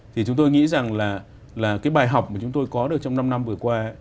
thì chúng tôi nghĩ rằng là cái bài học mà chúng tôi có được trong năm năm vừa qua